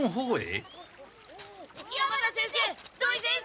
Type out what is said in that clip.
山田先生土井先生！